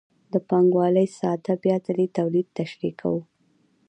د پانګوالۍ ساده بیا ځلي تولید تشریح کوو